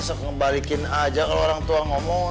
bisa ngebalikin aja kalau orang tua ngomong